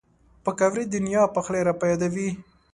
پکورې د نیا پخلی را په یادوي